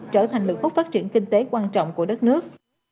trở thành lực phúc phát triển kinh tế quan trọng của đất nước